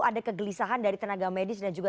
ada kegelisahan dari tenaga medis dan juga